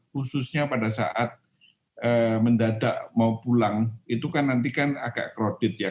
khususnya pada saat mendadak mau pulang itu kan nanti kan agak crowded ya